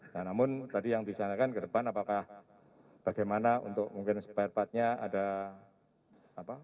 nah namun tadi yang disanakan ke depan apakah bagaimana untuk mungkin sebaik baiknya ada apa